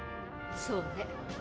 そうね。